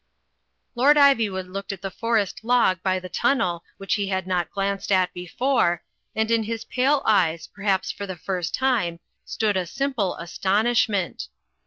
Lord Ivy wood looked at the forest log by the tunnel which he had not glanced at before, and in his pale eyes, perhaps for the first time, stood a simple astonish ment.